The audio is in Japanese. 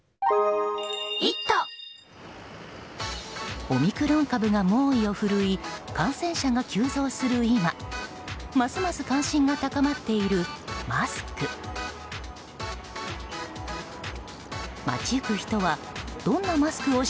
オミクロン株が猛威を振るい感染者が急増する今ますます関心が高まっているマスク。